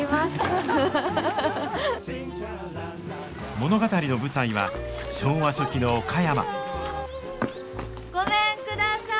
物語の舞台は昭和初期の岡山ごめんください。